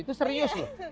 itu serius loh